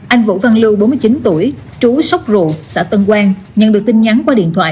anh vũ văn lưu bốn mươi chín tuổi trú sốc rụ xã tân quang nhận được tin nhắn qua điện thoại